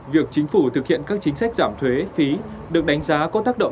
việc chính phủ thực hiện các chính sách giảm thuế phí được đánh giá có tác động